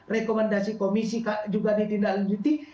rekomendasi komisi juga ditindaklanjuti